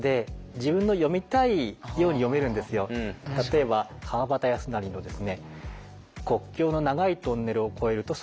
あとは例えば川端康成のですね